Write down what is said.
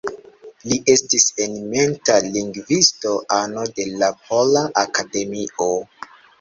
Li estis eminenta lingvisto, ano de la Pola Akademio.